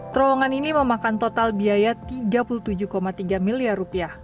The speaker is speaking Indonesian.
terowongan ini memakan total biaya rp tiga puluh tujuh tiga miliar